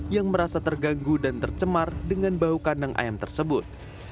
yang merasa terganggu dan tercemar dengan bau kandang ayam tersebut